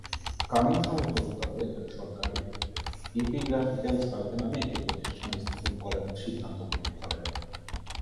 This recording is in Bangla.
কানিংহামের প্রস্তাবে সরকার ইপিগ্রাফিক্যাল সার্ভে নামে একটি প্রতিষ্ঠান স্থাপন করার সিদ্ধান্ত গ্রহণ করেন।